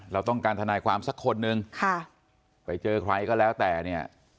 เราต้องการทนายความสักคนนึงค่ะไปเจอใครก็แล้วแต่เนี่ย